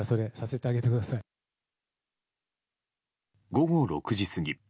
午後６時過ぎ